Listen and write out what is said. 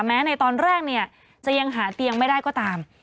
แม้ในตอนแรกจะยังหาเตียงไม่ได้ก็ตาม